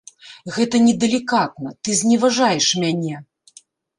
Гэта недалікатна, ты зневажаеш мяне.